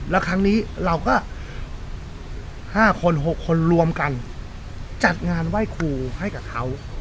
แล้วครั้งนี้เราก็๕คน๖คนรวมกันจัดงานไหว้ครูให้กับเขา